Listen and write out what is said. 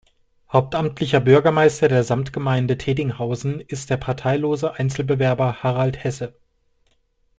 Hauptamtlicher Bürgermeister der Samtgemeinde Thedinghausen ist der parteilose Einzelbewerber Harald Hesse.